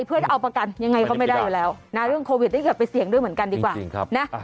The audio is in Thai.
เพื่อจะเอาประกันยังไงก็ไม่ได้อยู่แล้วนะเรื่องโควิดถ้าเกิดไปเสี่ยงด้วยเหมือนกันดีกว่านะ